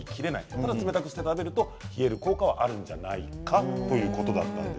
ただ冷たくして食べると冷える効果があるのではないかということでした。